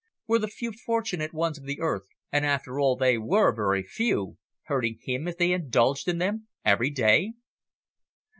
Were the few fortunate ones of the earth, and after all they were very few, hurting him if they indulged in them every day?